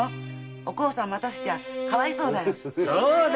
お甲さんを待たせちゃかわいそうだよ。